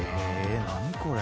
何これ？